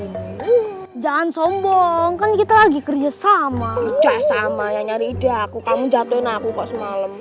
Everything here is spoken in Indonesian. ini jangan sombong kan kita lagi kerja sama sama yang nyari ide aku kamu jatuhin aku pas malam